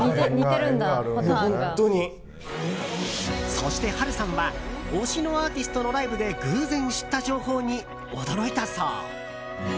そして、波瑠さんは推しのアーティストのライブで偶然知った情報に驚いたそう。